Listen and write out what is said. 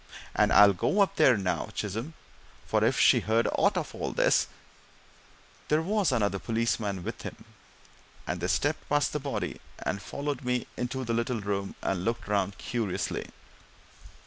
And I'll go up there now, Chisholm; for if she's heard aught of all this " There was another policeman with him, and they stepped past the body and followed me into the little room and looked round curiously.